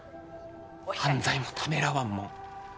犯罪もためらわんもん